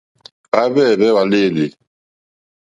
Hwáhwɛ̂hwɛ́ hwàlêlì.